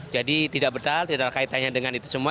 jadi tidak betul tidak ada kaitannya dengan itu semua